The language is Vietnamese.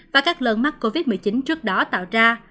và các lần mắc covid một mươi chín trước đó tạo ra